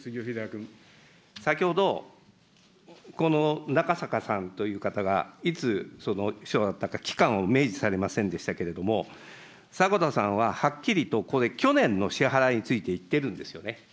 先ほど、この中坂さんという方が、いつ秘書だったか、期間を明示されませんでしたけれども、迫田さんははっきりと、ここで去年の支払いについて言ってるんですよね。